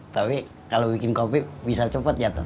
tapi kalau bikin kopi bisa cepet ya tuh